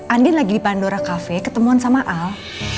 andin lagi di pandora kafe ketemuan sama al